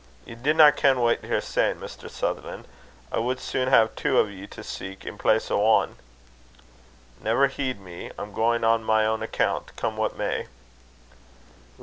"Ye dinna ken what ye're sayin', Mr. Sutherlan'. I wad sune hae twa o' ye to seek in place o' ane." "Never heed me; I'm going on my own account, come what may."